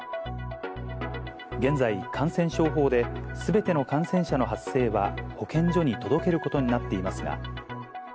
現在、感染症法ですべての感染者の発生は保健所に届けることになっていますが。